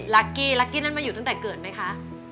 กี้รักกี้นั้นมาอยู่ตั้งแต่เกิดไหมคะ